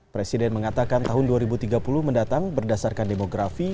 presiden mengatakan tahun dua ribu tiga puluh mendatang berdasarkan demografi